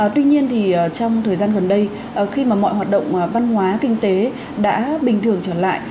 tuy nhiên thì trong thời gian gần đây khi mà mọi hoạt động văn hóa kinh tế đã bình thường trở lại